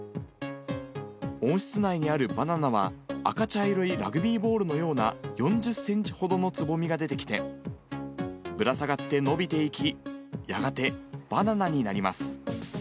温室内にあるバナナは、赤茶色いラグビーボールのような４０センチほどのつぼみが出てきて、ぶら下がって伸びていき、やがてバナナになります。